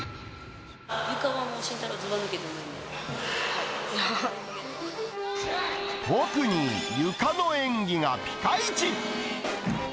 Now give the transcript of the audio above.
ゆかはもう心大朗がずば抜け特にゆかの演技がピカイチ。